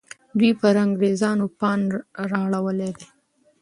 دوی پر انګریزانو پاڼ را اړولی دی.